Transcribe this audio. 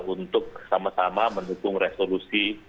untuk sama sama mendukung resolusi